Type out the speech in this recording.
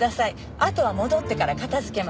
あとは戻ってから片付けますから。